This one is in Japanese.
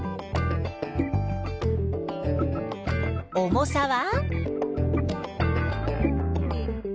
重さは？